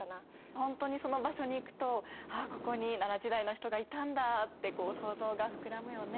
ほんとにその場所に行くと「あここに奈良時代の人がいたんだ」ってこう想像が膨らむよね。